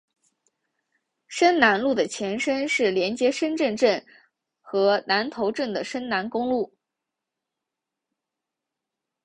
深南路的前身是连接深圳镇和南头镇的深南公路。